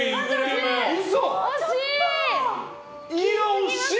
惜しい！